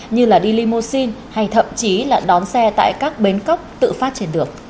như là đi limousine hay thậm chí là đón xe tại các bến cóc tự phát triển được